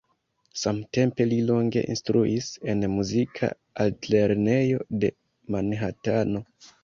Samtempe li longe instruis en muzika altlernejo de Manhatano.